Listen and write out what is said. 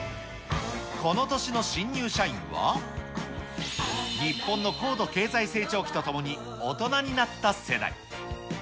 この年の新入社員は、日本の高度経済成長期とともに大人になった世代。